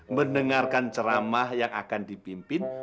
mendengarkan ceramah yang akan dipimpin